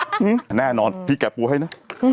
แน่นอนพี่แกะปูให้นะ